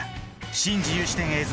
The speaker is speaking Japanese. シン・自由視点映像